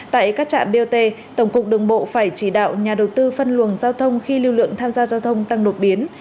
tại các trạm bot tổng cục đường bộ phải chỉ đạo nhà đầu tư phân luồng giao thông khi lưu lượng tham gia giao thông tăng đột biến